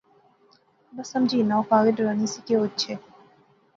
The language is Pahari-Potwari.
بس سمجھی ہنا او کاغیں ڈرانی سی کہ او اچھے